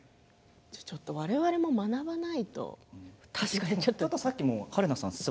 ちょっとわれわれも学ばないと春菜さん